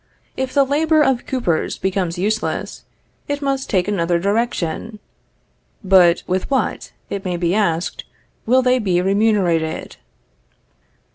If the labor of coopers becomes useless, it must take another direction. But with what, it may be asked, will they be remunerated?